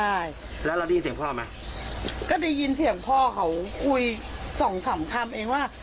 ใช่แล้วเราได้ยินเสียงพ่อไหมก็ได้ยินเสียงพ่อเขาคุยสองสามคำเองว่า